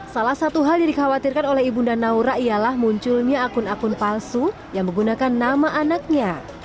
salah satu hal yang dikhawatirkan oleh ibunda naura ialah munculnya akun akun palsu yang menggunakan nama anaknya